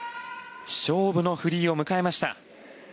勝負のフリーを迎えました。